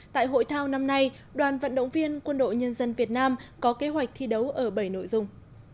tại hội thao năm nay đoàn vận động viên quân đội nhân dân việt nam có kế hoạch thi đấu ở bảy nội dung